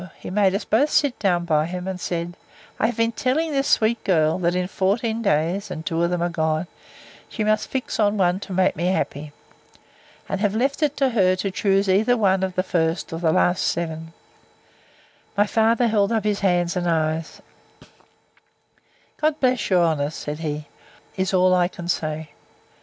He made us both sit down by him, and said, I have been telling this sweet girl, that in fourteen days, and two of them are gone, she must fix on one to make me happy. And have left it to her to choose either one of the first or last seven. My father held up his hands, and eyes; God bless your honour! said he, is all I can say.